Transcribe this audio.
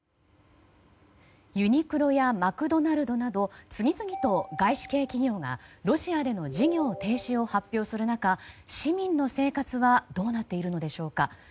ユニクロやマクドナルドなど次々と外資系企業がロシアでの事業停止を発表する中市民の生活はどうなっているのでしょうか。